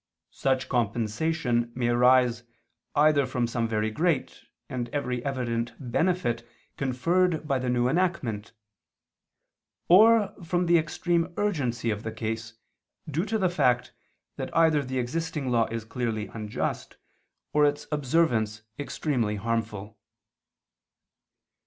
Such compensation may arise either from some very great and every evident benefit conferred by the new enactment; or from the extreme urgency of the case, due to the fact that either the existing law is clearly unjust, or its observance extremely harmful.